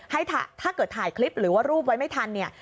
ถ้าเกิดถ่ายคลิปหรือว่ารูปไว้ไม่ทันเนี่ย